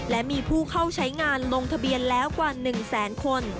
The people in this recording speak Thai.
และมีผู้เข้าใช้งานลงทะเบียนแล้วกว่า๑แสนคน